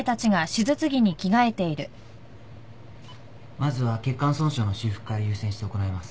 まずは血管損傷の修復から優先して行います。